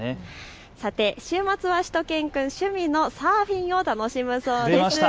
さて週末はしゅと犬くん、趣味のサーフィンを楽しむそうです。